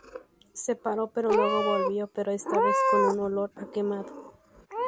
Se paró, pero luego volvió, pero esta vez con un olor a quemado.